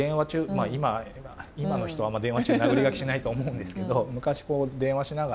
まあ今の人はあんま電話中になぐり書きしないと思うんですけど昔こう電話しながら。